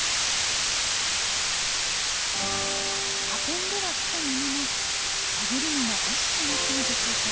運んではきたもののあげるのが惜しくなったのでしょうか。